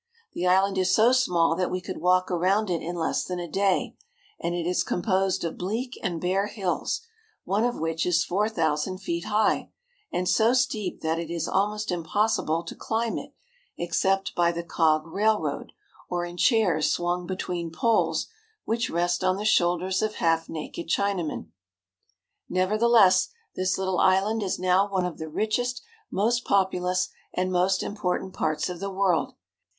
The island is so small that we could walk around it in less than a day, and it is composed of bleak and bare hills, one of which is four thousand feet high, and so steep that it is almost impossible to climb it except by the cog railroad or in chairs swung between poles which rest on the shoulders of half naked Chinamen. Nevertheless, this Uttle island is now one of the richest, most populous, and most important parts of the world.